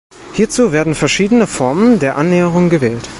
Hierzu werden verschiedene Formen der Annäherung gewählt.